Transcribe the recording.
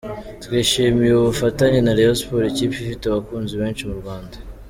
Twishimiye ubu bufatanye na Rayon sports, ikipe ifite abakunzi benshi mu Rwanda.